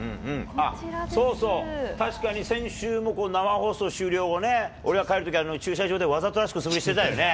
そうそう、確かに先週も、生放送終了後、俺が帰るとき、駐車場で、わざとらしく素振りしてたよね。